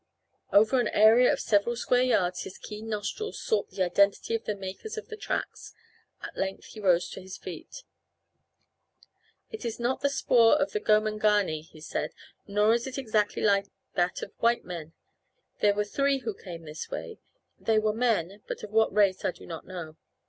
Over an area of several square yards his keen nostrils sought the identity of the makers of the tracks. At length he rose to his feet. "It is not the spoor of the Gomangani," he said, "nor is it exactly like that of white men. There were three who came this way. They were men, but of what race I do not know."